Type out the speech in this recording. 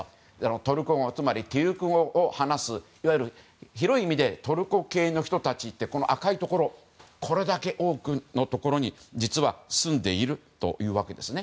トルコ語、つまりテュルク語を話す、いわゆる広い意味でトルコ系の人たちって赤いところこれだけ多くのところに住んでいるというわけです。